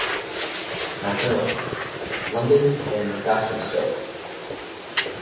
Macmillan: London and Basingstoke.